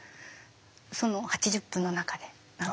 その８０分の中で。